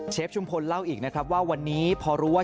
ชุมพลเล่าอีกนะครับว่าวันนี้พอรู้ว่า